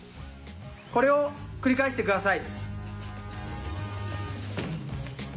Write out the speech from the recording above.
これを繰り返してください。